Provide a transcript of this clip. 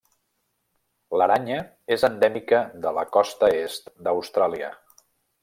L'aranya és endèmica de la costa est d'Austràlia.